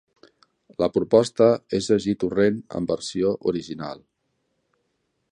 La proposta és llegir Torrent en versió original.